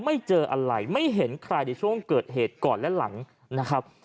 ไม่เจออะไรไม่เห็นใครในช่วงเกิดเหตุก่อนและหลังนะครับ